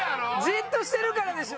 ジッとしてるからでしょ。